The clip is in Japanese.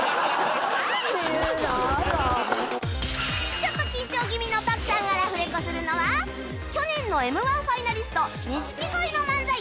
ちょっと緊張気味の朴さんがラフレコするのは去年の Ｍ−１ ファイナリスト錦鯉の漫才